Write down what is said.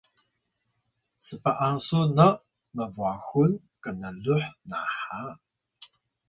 sp’asun na mbwaxun knluh naha